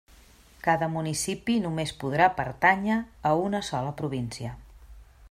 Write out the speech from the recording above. Cada municipi només podrà pertànyer a una sola província.